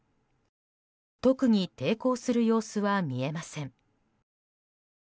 特に抵抗する様子は見えません。